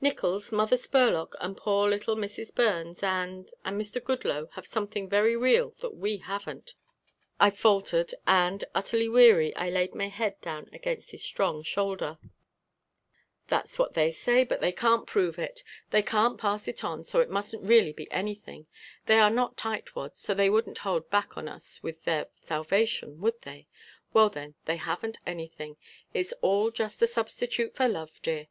"Nickols, Mother Spurlock and poor little Mrs. Burns and and Mr. Goodloe have something very real that we haven't," I faltered and, utterly weary, I laid my head down against his strong shoulder. "That's what they say, but they can't prove it. They can't pass it on, so it mustn't really be anything. They are not tightwads, so they wouldn't hold back on us with their salvation, would they? Well, then, they haven't anything. It's all just a substitute for love, dear.